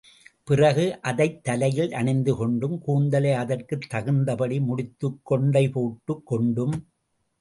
பிறகு அதைத் தலையிலே அணிந்து கொண்டும், கூந்தலை அதற்குத் தகுந்தபடி முடிந்து கொண்டை போட்டுக் கொண்டும்.